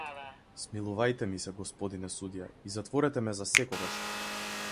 Смилувајте ми се, господине судија, и затворете ме засекогаш!